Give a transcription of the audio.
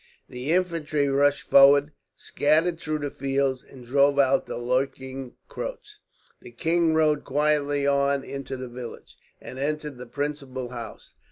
The infantry rushed forward, scattered through the fields, and drove out the lurking Croats. The king rode quietly on into the village, and entered the principal house.